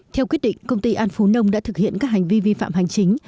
theo quyết định công ty an phú nông đã thực hiện các hành vi vi phạm hành chính